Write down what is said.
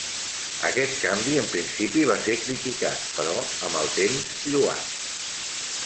Aquest canvi en principi va ser criticat, però amb el temps lloat.